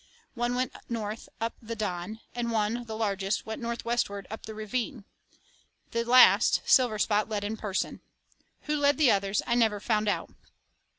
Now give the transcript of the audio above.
One went north up the Don, and one, the largest, went northwestward up the ravine. The last, Silverspot led in person. Who led the others I never found out.